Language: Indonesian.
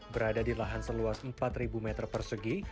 berada di lahan seluas empat meter persegi